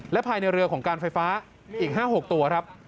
และภายในเรือของการไฟฟ้าอีก๕๖ตัวครับ